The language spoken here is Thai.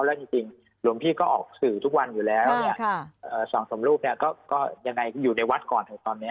หลวงพี่ก็ออกสื่อทุกวันอยู่แล้วส่องสมรูปอยู่ในวัดก่อน